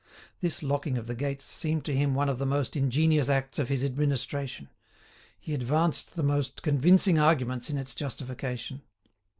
This locking of the gates seemed to him one of the most ingenious acts of his administration; he advanced the most convincing arguments in its justification.